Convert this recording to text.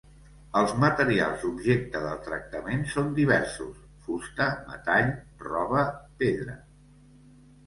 Els materials objecte del tractament són diversos: fusta, metall, roba, pedra.